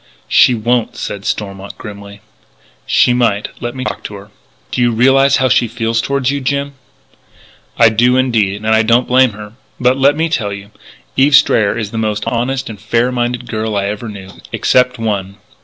"She won't," said Stormont grimly. "She might. Let me talk to her." "Do you realise how she feels toward you, Jim?" "I do, indeed. And I don't blame her. But let me tell you; Eve Strayer is the most honest and fair minded girl I ever knew.... Except one....